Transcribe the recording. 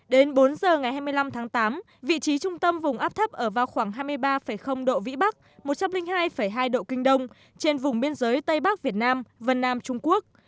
đến bốn giờ ngày hai mươi năm tháng tám vị trí trung tâm vùng áp thấp ở vào khoảng hai mươi ba độ vĩ bắc một trăm linh hai hai độ kinh đông trên vùng biên giới tây bắc việt nam vân nam trung quốc